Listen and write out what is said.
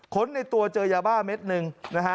ขนในตัวเจอยาบ้าเม็ดหนึ่ง